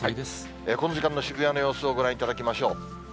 この時間の渋谷の様子をご覧いただきましょう。